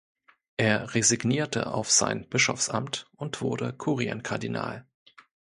Er resignierte auf sein Bischofsamt und wurde Kurienkardinal.